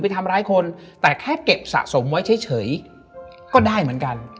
ถ้าเก็บสะสมไว้เฉยก็ได้เหมือนกัน